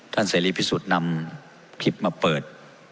เสรีพิสุทธิ์นำคลิปมาเปิด